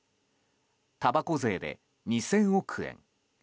たばこ税で２０００億円